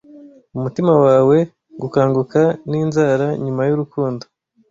Umutima wawe gukanguka n'inzara nyuma y'urukundo,